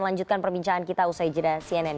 lanjutkan perbincangan kita usai jeda cnn